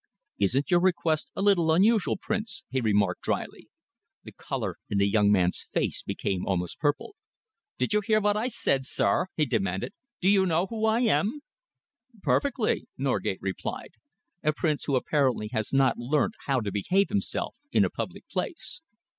"Isn't your request a little unusual, Prince?" he remarked drily. The colour in the young man's face became almost purple. "Did you hear what I said, sir?" he demanded. "Do you know who I am?" "Perfectly," Norgate replied. "A prince who apparently has not learnt how to behave himself in a public place."